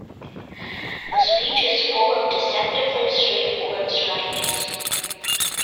The speech is full of deceptively straightforward strategies.